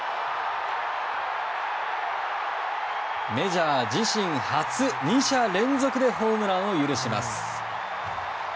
メジャー自身初、２者連続でホームランを許します。